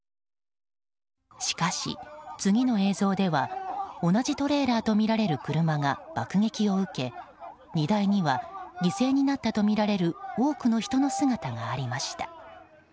しかし、次の映像では同じトレーラーとみられる車が爆撃を受け荷台には犠牲になったとみられる多くの人の姿がありました。